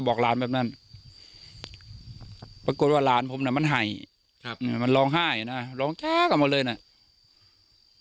ปรากฏว่าล้านผมมันหายมันร้องไห้นะร้องแก๊ะกลับมาเลยเนี่ย